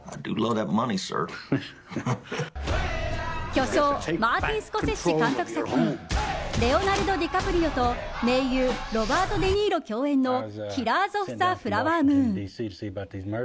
巨匠マーティン・スコセッシ監督作品レオナルド・ディカプリオと名優ロバート・デ・ニーロ共演の「キラーズ・オブ・ザ・フラワー・ムーン」。